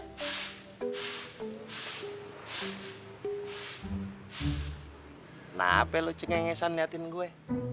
kenapa lo cengengesan liatin gue